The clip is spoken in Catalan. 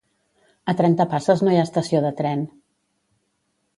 A Trentapasses no hi ha estació de tren